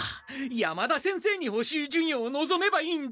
山田先生に補習授業をのぞめばいいんだ。